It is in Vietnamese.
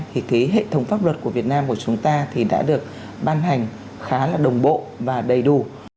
thì cái hệ thống pháp luật của việt nam của chúng ta thì đã được ban hành khá là đồng bộ và đầy đủ